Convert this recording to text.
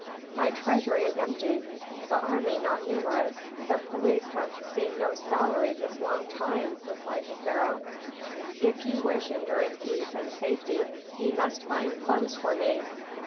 "My treasury is empty, the army not numerous, the police have seen no salary this long time," replied the pharaoh. "If ye wish enduring peace and safety ye must find funds for me.